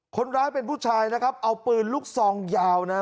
คนร้ายเป็นผู้ชายนะครับเอาปืนลูกซองยาวนะ